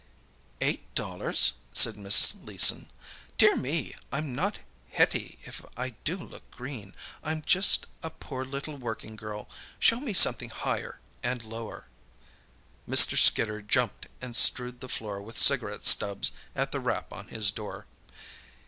"Eight dollars?" said Miss Leeson. "Dear me! I'm not Hetty if I do look green. I'm just a poor little working girl. Show me something higher and lower." Mr. Skidder jumped and strewed the floor with cigarette stubs at the rap on his door.